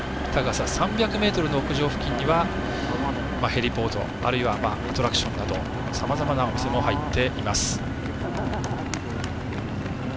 高さ３００ｍの屋上付近にはヘリポートあるいはアトラクションなどさまざまなお店も入っています。